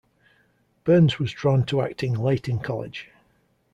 Burns was drawn to acting late in college.